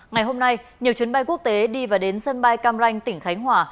ngày hôm nay nhiều chuyến bay quốc tế đi và đến sân bay cam ranh tỉnh khánh hòa